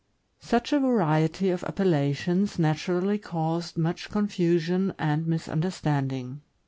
Such a variety of appellations naturally caused much con fusion and misunderstanding.